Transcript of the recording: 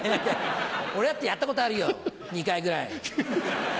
俺だってやったことあるよ２回ぐらい。